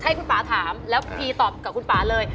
ให้คุณป่าถามแล้วพีตอบกับคุณป่าเลย